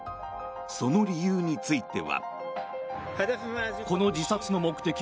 その理由については。